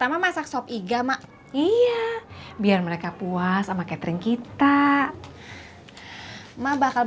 ambil di mana mak